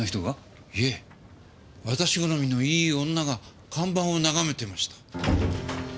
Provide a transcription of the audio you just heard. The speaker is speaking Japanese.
いえ私好みのいい女が看板を眺めてました。